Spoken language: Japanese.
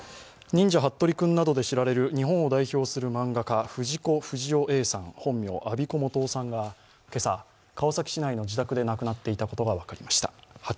「忍者ハットリくん」などで知られる日本を代表する漫画家、藤子不二雄Ａさん、本名、安孫子素雄さんが今朝、川崎市内の自宅で亡くなっていたことが分かりました。